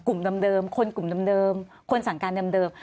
กลุ่มเดิมคนกลุ่มเดิมคนสั่งการเดิม